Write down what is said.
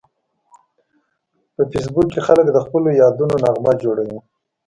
په فېسبوک کې خلک د خپلو یادونو نغمه جوړوي